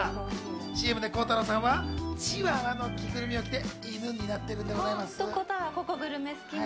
ＣＭで鋼太郎さんはチワワの着ぐるみを着て、犬になりきってるんです。